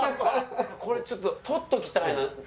これちょっと撮っときたいな。